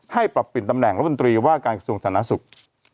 ให้ปรับปิดตำแหน่งรับบันตรีว่าการส่งศาลนาศุกร์